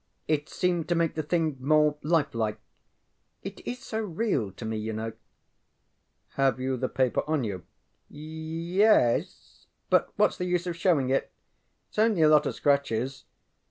It seemed to make the thing more lifelike. It is so real to me, yŌĆÖknow. ŌĆØ ŌĆ£Have you the paper on you? ŌĆØ ŌĆ£Ye es, but whatŌĆÖs the use of showing it? ItŌĆÖs only a lot of scratches.